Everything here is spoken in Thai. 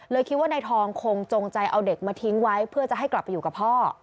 คิดว่านายทองคงจงใจเอาเด็กมาทิ้งไว้เพื่อจะให้กลับไปอยู่กับพ่อ